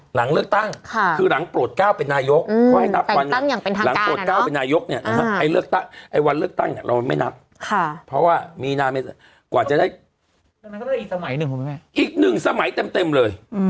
หลังเลือกตั้งคือหลังโปรด๙เป็นนายกอีกหนึ่งสมัยเต็มเลย